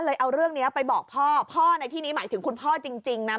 เอาเรื่องนี้ไปบอกพ่อพ่อในที่นี้หมายถึงคุณพ่อจริงนะ